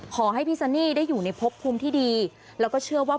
ขอให้พี่ซันนี่ได้อยู่ในพบภูมิที่ดีแล้วก็เชื่อว่า